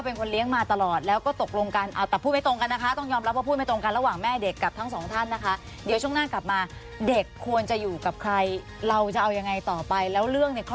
ที่เขียนโดยลายมือแล้วก็ลงชื่อเป็นผู้ใหญ่